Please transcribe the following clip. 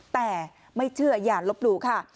แต่ไม่เชื่ออย่าลบหลู่ค่ะ